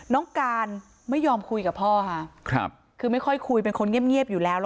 น้องการไม่ยอมคุยกับพ่อค่ะคือไม่ค่อยคุยเป็นคนเงียบอยู่แล้ว